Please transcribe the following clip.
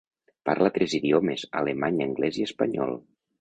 Parla tres idiomes, alemany, anglès i espanyol.